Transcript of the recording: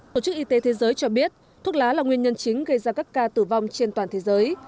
tổ chức y tế thế giới cho biết thuốc lá là nguyên nhân chính gây ra các ca tử vong trên toàn thế giới